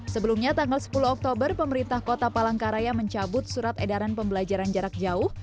sebelumnya tanggal sepuluh oktober pemerintah kota palangkaraya mencabut surat edaran pembelajaran jarak jauh